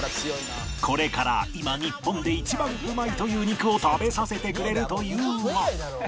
これから今日本で一番うまいという肉を食べさせてくれるというが